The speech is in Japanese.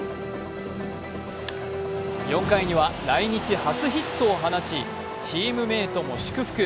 ４回には来日初ヒットを放ち、チームメイトも祝福。